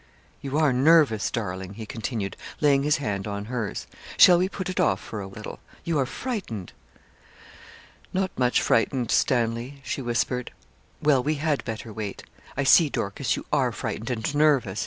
'You are nervous, darling,' he continued, laying his hand on hers. 'Shall we put it off for a little? You are frightened.' 'Not much frightened, Stanley,' she whispered. 'Well, we had better wait. I see, Dorcas, you are frightened and nervous.